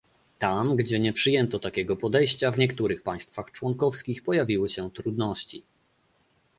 Tam, gdzie nie przyjęto takiego podejścia, w niektórych państwach członkowskich pojawiły się trudności